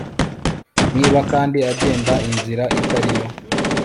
niba kandi agenda inzira itari yo